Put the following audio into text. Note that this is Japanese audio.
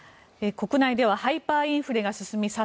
国内ではハイパーインフレが進み